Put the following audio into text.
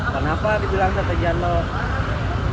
kenapa dijualan sate jandung